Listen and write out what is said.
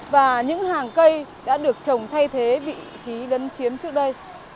và những hàng cây đã được trồng thay thế vị trí lấn chiếm trước đây